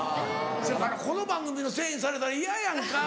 そやからこの番組のせいにされたら嫌やんか。